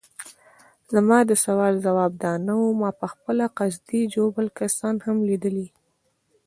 زما د سوال ځواب دا نه وو، ما پخپله قصدي ژوبل کسان هم لیدلي.